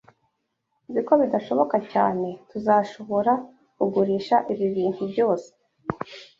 Nzi ko bidashoboka cyane ko tuzashobora kugurisha ibi bintu byose.